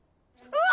うわ。